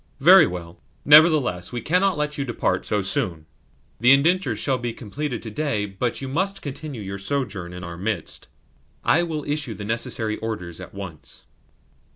"Very well. Nevertheless we cannot let you depart so soon. The indentures shall be completed to day, but you must continue your sojourn in our midst. I will issue the necessary orders at once."